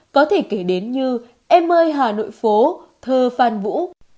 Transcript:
có thể kể đến như em ơi hà nội phố thơ phan vũ